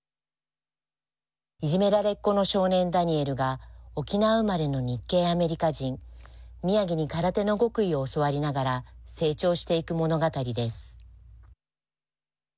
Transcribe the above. いじめられっ子の少年ダニエルが沖縄生まれの日系アメリカ人ミヤギに空手の極意を教わりながら成長していく物語です。